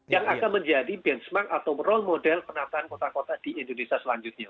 yang akan menjadi benchmark atau role model penataan kota kota di indonesia selanjutnya